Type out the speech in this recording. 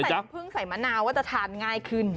แล้วถ้าใส่น้ำผึ้งใส่มะนาวว่าจะทานง่ายขึ้น